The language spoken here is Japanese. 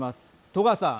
戸川さん。